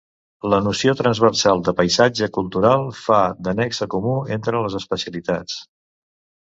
La noció transversal de paisatge cultural fa de nexe comú entre les especialitats.